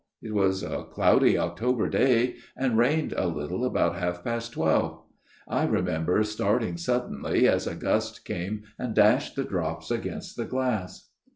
It was a cloudy October day ; and rained a little about half past twelve. I remember starting suddenly as a gust came and dashed the drops against the glass.